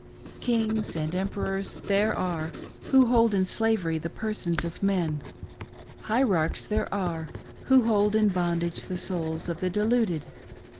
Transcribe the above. Kings and emperors there are who hold in slavery the persons of men : hierarchs there are who hold in bondage the souls of the deluded.